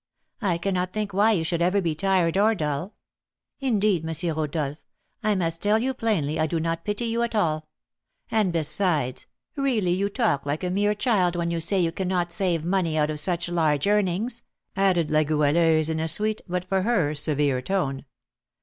I cannot think why you should ever be tired or dull. Indeed, M. Rodolph, I must tell you plainly I do not pity you at all; and, besides, really you talk like a mere child when you say you cannot save money out of such large earnings," added La Goualeuse, in a sweet, but, for her, severe tone.